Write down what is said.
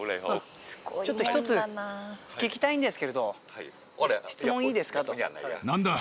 「ちょっと１つ聞きたいんですけれど質問いいですか？」と。